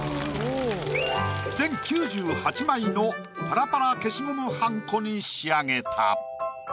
・かわいい・のパラパラ消しゴムはんこに仕上げた。